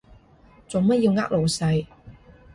做乜要呃老細？